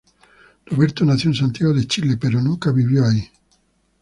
Roberto nació en Santiago de Chile, pero nunca vivió ahí.